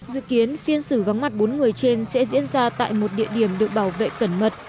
dự kiến phiên xử vắng mặt bốn người trên sẽ diễn ra tại một địa điểm được bảo vệ cẩn mật